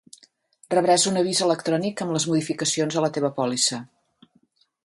Rebràs un avís electrònic amb les modificacions a la teva pòlissa.